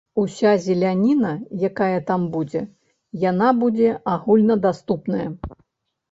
Уся зеляніна, якая там будзе, яна будзе агульнадаступная.